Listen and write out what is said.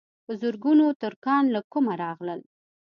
په زرګونو ترکان له کومه راغلل.